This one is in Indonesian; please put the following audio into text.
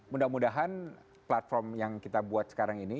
mudah mudahan platform yang kita buat sekarang ini